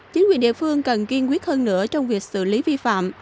chính quyền địa phương cần kiên quyết hơn nữa trong việc xử lý vi phạm